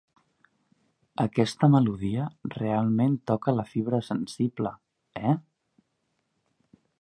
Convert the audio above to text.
Aquesta melodia realment toca la fibra sensible, eh?